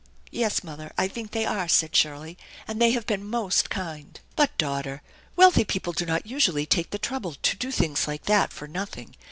" Yes, mother, I think they are," said Shirley, " and they have been most kind." f "But, daughter, wealthy people do not usually take the trouble to do things like that for nothing.